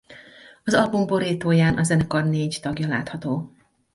Az album borítóján a zenekar négy tagja látható.